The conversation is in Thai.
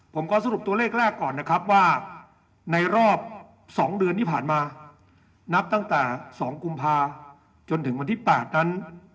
ผมขอสรุปตัวเลขแรกก่อนนะครับว่าในรอบ๒เดือนที่ผ่านมานับตั้งแต่๒กุมภาจนถึงวันที่๘นั้น